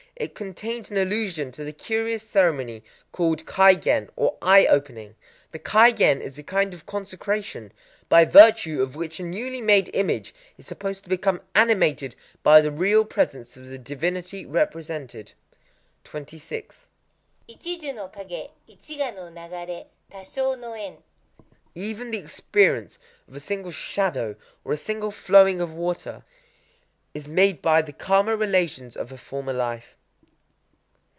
It contains an allusion to the curious ceremony called Kai gen, or "Eye Opening." This Kai gen is a kind of consecration, by virtue of which a newly made image is supposed to become animated by the real presence of the divinity represented. 26.—Ichi ju no kagé, ichi ga no nagaré, tashō no en. Even [the experience of] a single shadow or a single flowing of water, is [made by] the karma relations of a former life.